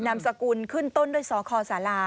นามสกุลขึ้นต้นด้วยสคสารา